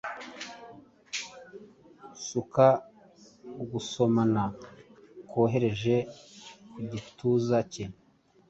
suka ugusomana kworoheje ku gituza cye;